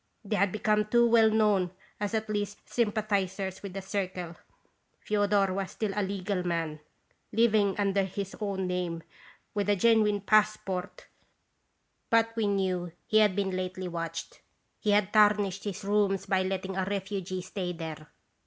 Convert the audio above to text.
They had become too well known as at least 'sympathizers' with the Circle. Fodor was still a 'legal' man, living under his own name, with a genuine passport, but we 192 3t rad0ns Visitation. knew he had been lately watched. He had ' tarnished ' his rooms by letting a refugee stay there.